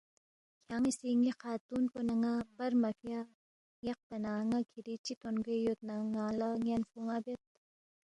کھیان٘ی سی ن٘ی خاتون پو نہ ن٘ا بر مہ فیا یقپا نہ کِھری چِہ تونگوے یود نہ ن٘انگ لہ یَنفو ن٘ا بید